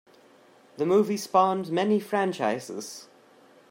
The movie spawned many franchises.